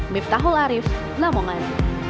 miftahul arif lamungan